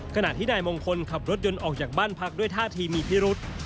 ขณะที่นายมงคลขับรถยนต์ออกจากบ้านพักด้วยท่าทีมีพิรุษ